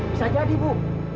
bisa jadi bu